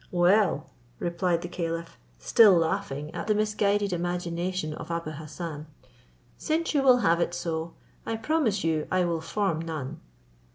"Well," replied the caliph, still laughing at the misguided imagination of Abou Hassan, "since you will have it so, I promise you I will form none."